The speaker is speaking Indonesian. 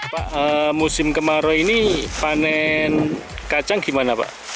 pak musim kemarau ini panen kacang gimana pak